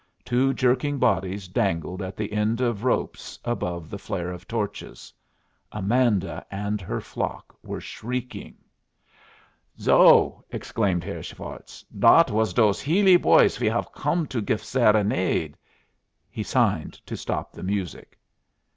Two jerking bodies dangled at the end of ropes, above the flare of torches. Amanda and her flock were shrieking. "So!" exclaimed Herr Schwartz. "Dot was dose Healy boys we haf come to gif serenade." He signed to stop the music.